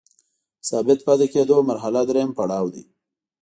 د ثابت پاتې کیدو مرحله دریم پړاو دی.